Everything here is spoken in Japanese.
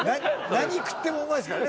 何食ってもうまいですからね。